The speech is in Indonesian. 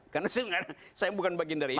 karena saya bukan bagian dari itu